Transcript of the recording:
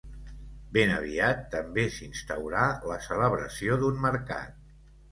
Ben aviat també s'instaurà la celebració d'un mercat.